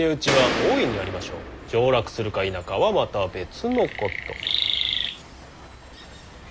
上洛するか否かはまた別のこと。